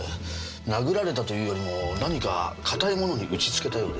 殴られたというよりも何か硬いものに打ちつけたようです。